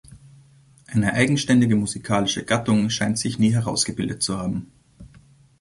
Eine eigenständige musikalische Gattung scheint sich nie herausgebildet zu haben.